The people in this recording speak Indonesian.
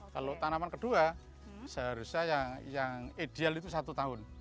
kalau tanaman kedua seharusnya yang ideal itu satu tahun